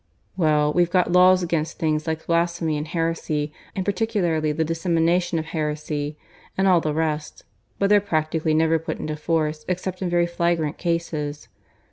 "Well, we've got laws against things like blasphemy and heresy, and particularly the dissemination of heresy, and all the rest; but they're practically never put into force except in very flagrant cases.